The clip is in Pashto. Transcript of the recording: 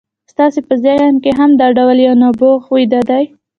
ستاسې په ذهن کې هم دغه ډول يو نبوغ ويده دی.